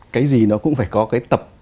cái gì nó cũng phải có cái tập